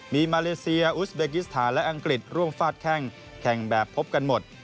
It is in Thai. มีมาเลเซียอุสเบกิสถานและอังกฤษร่วมฟาดแข้งแข่งแบบพบกันหมด